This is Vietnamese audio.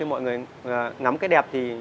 mọi người ngắm cái đẹp